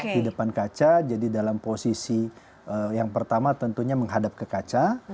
di depan kaca jadi dalam posisi yang pertama tentunya menghadap ke kaca